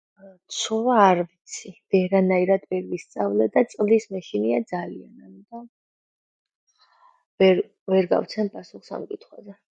ცურვა არ ვიცი, ვერანაირად ვერ ვისწავლე და წყლის მეშინია ძალიან... და... ვერ... ვერ გავცემ პასუხს ამ კითხვაზე.